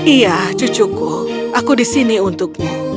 iya cucuku aku di sini untukmu